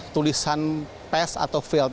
dengan pes atau velt